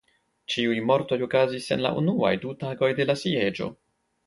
Ĉiuj mortoj okazis en la unuaj du tagoj de la sieĝo.